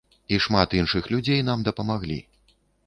І шмат іншых людзей нам дапамаглі.